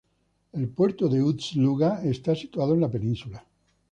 El puerto de Ust-Luga está situado en la península.